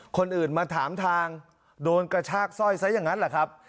คนอื่นมาถามทางโดนกระชากสร้อยใสเชิงอย่างนั้น